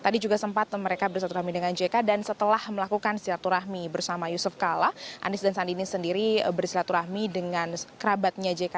dan setelah melakukan silaturahmi bersama yusuf kalla anies dan sandiaga ini sendiri bersilaturahmi dengan kerabatnya jk